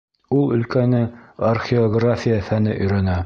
Ул өлкәне археография фәне өйрәнә.